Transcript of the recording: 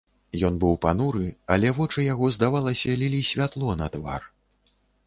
Ён быў пануры, але вочы яго, здавалася, лілі святло на твар.